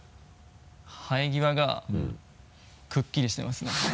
生え際がくっきりしてますね。